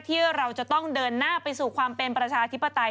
ที่เราจะต้องเดินหน้าไปสู่ความเป็นประชาธิปไตย